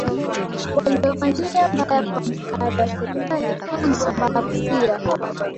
waliwafanyia mbaya kwa msaada wa Serikali Kama ambavyo pia